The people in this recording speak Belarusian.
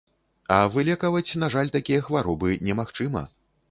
А вылекаваць, на жаль, такія хваробы немагчыма.